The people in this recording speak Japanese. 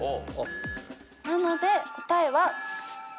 なので答えは。